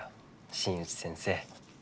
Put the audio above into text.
新内先生。